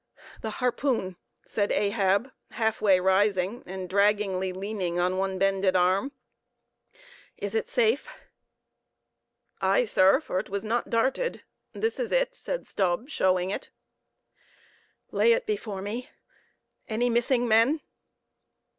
"The harpoon," said Ahab, half way rising, and draggingly leaning on one bended arm, "is it safe?" "Aye, sir, for it was not darted; this is it," said Stubb, showing it. "Lay it before me; any missing men?"